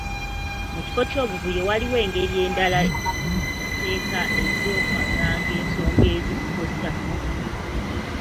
Mu kifo ky'obuvuyo waliwo engeri endala eziri mu mateeka ez'okwanganga ensonga ezitukosa.